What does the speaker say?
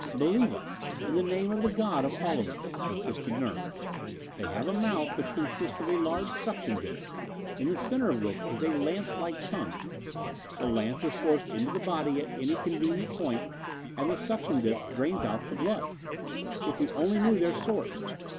"Believe us, in the name of the God of us all," insisted Nern. "They have a mouth which consists of a large suction disk, in the center of which is a lancelike tongue. The lance is forced into the body at any convenient point, and the suction disk drains out the blood. If we only knew their source!